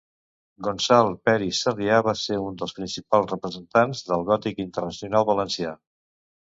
Gonçal Peris Sarrià va ser un dels principals representants del gòtic internacional valencià.